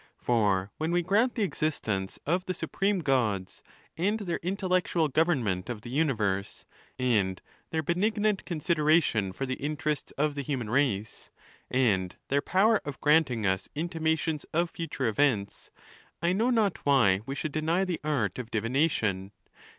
For when we grant the existence of the supreme gods, and their intellectual government of the universe, and their benignant considera tion for the interests of the human race, and their power of granting us intimations of future events, I know not why we should deny the art of divination.